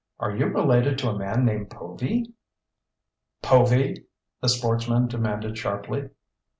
"Are you related to a man named Povy?" "Povy?" the sportsman demanded sharply.